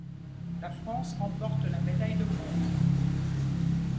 La France remporte la médaille de bronze.